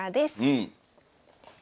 うん。